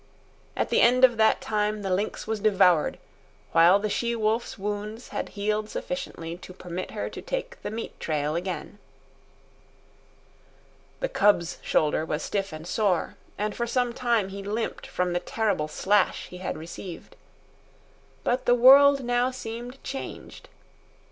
At the end of that time the lynx was devoured, while the she wolf's wounds had healed sufficiently to permit her to take the meat trail again. The cub's shoulder was stiff and sore, and for some time he limped from the terrible slash he had received. But the world now seemed changed.